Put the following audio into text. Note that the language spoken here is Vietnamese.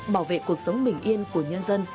bảo vệ cuộc sống bình yên của nhân dân